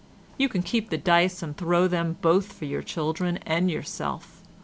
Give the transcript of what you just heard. You keep the dice and throw them both for your children and yourself.